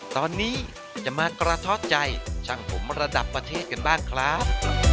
ตอนนี้จะมากระทบใจช่างผมระดับประเทศกันบ้างครับ